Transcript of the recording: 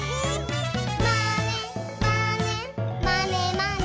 「まねまねまねまね」